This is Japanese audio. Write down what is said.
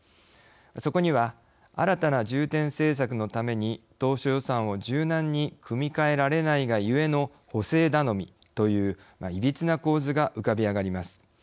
そこには新たな重点政策のために当初予算を柔軟に組み替えられないがゆえの補正頼みといういびつな構図が浮かび上がります。